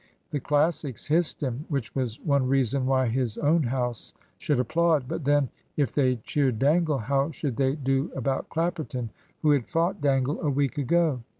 The Classics hissed him, which was one reason why his own house should applaud. But then, if they cheered Dangle, how should they do about Clapperton, who had fought Dangle a week ago?